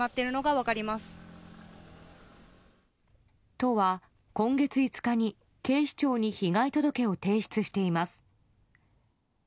都は今月５日に警視庁に被害届を提出しています。